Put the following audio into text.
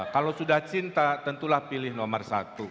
kalau sudah cinta tentulah pilih nomor satu